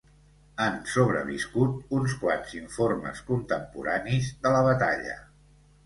Han sobreviscut uns quants informes contemporanis de la batalla.